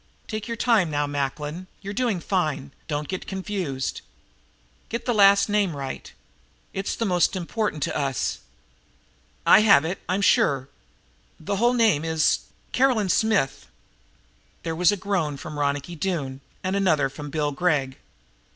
"Take your time now, Macklin, you're doing fine. Don't get confused. Get the last name right. It's the most important to us." "I have it, I'm sure. The whole name is Caroline Smith." There was a groan from Ronicky Doone and another from Bill Gregg.